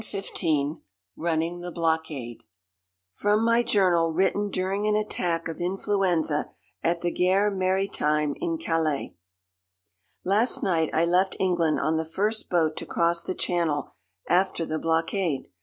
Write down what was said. CHAPTER XV RUNNING THE BLOCKADE From my journal written during an attack of influenza at the Gare Maritime in Calais: Last night I left England on the first boat to cross the Channel after the blockade.